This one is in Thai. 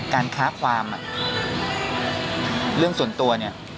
การค้าความเรื่องส่วนตัว